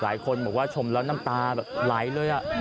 หลายคนบอกว่าชมแล้วน้ำตาแบบไหลเลย